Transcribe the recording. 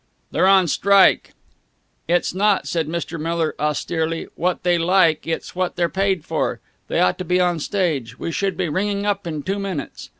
"They're on strike!" "It's not," said Mr. Miller austerely, "what they like, it's what they're paid for. They ought to be on stage. We should be ringing up in two minutes."